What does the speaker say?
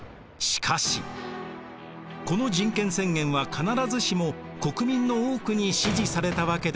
しかしこの人権宣言は必ずしも国民の多くに支持されたわけではありませんでした。